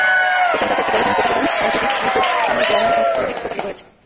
এ-সংক্রান্ত একটি গবেষণা প্রতিবেদন সায়েন্টিফিক রিপোর্টস সাময়িকীর অনলাইন সংস্করণে প্রকাশিত হয়েছে।